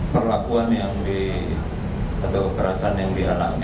perlakuan yang di atau kekerasan yang dialami